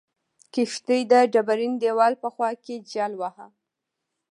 کښتۍ د ډبرین دیوال په خوا کې جل واهه.